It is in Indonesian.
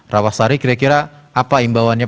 rawasari kira kira apa imbauannya